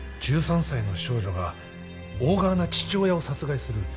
１３歳の少女が大柄な父親を殺害する。